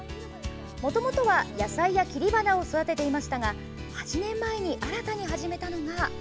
もともとは野菜や切り花を育てていましたが８年前に新たに始めたのが。